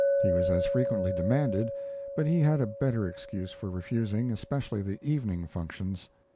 He was as frequently demanded, but he had a better excuse for refusing, especially the evening functions.